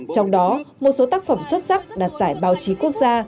trong đó một số tác phẩm xuất sắc đạt giải báo chí quốc gia